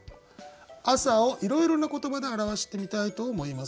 「朝」をいろいろな言葉で表してみたいと思います。